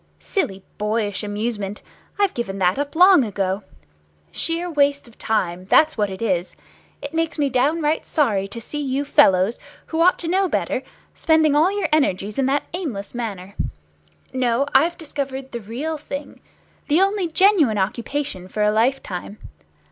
"Silly boyish amusement. I've given that up long ago. Sheer waste of time, that's what it is. It makes me downright sorry to see you fellows, who ought to know better, spending all your energies in that aimless manner. No, I've discovered the real thing, the only genuine occupation for a life time.